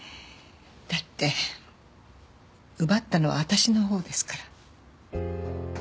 だって奪ったのは私のほうですから。